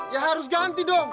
ya harus ganti dong